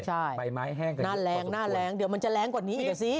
ใช่หน้าแรงเดี๋ยวมันจะแรงกว่านี้อีกสิ